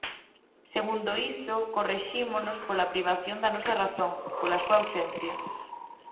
Segundo iso, corrixímonos pola privación da nosa razón, pola súa ausencia.